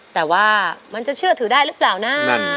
แต่ว่ามันจะเชื่อถือได้หรือเปล่านะ